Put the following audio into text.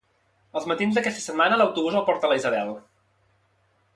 Els matins d'aquesta setmana l'autobús el porta la Isabel